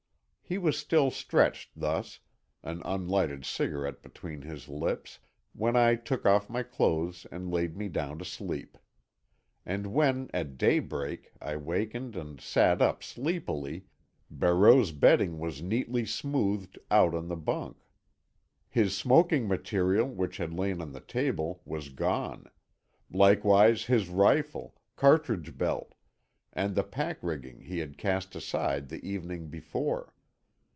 He was still stretched thus, an unlighted cigarette between his lips, when I took off my clothes and laid me down to sleep. And when at daybreak I wakened and sat up sleepily, Barreau's bedding was neatly smoothed out on the bunk. His smoking material, which had lain on the table, was gone; likewise his rifle, cartridge belt, and the pack rigging he had cast aside the evening before.